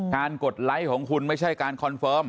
กดไลค์ของคุณไม่ใช่การคอนเฟิร์ม